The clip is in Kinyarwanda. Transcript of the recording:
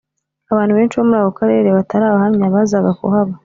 Abantu benshi bo muri ako karere batari abahamya bazaga kubaha